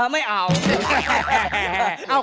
ไม่เอา